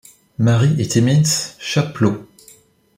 Marie et Timmins—Chapleau.